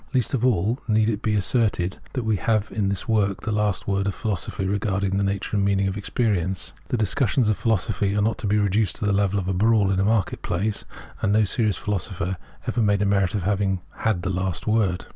Least of all need it be asserted that we have in this work the last word of philosophy regarding the nature and meaning of experience. The discussions of philosophy are not to be reduced to the level of a brawl in the market place, and no serious philosopher ever made a merit of having the ' last word.''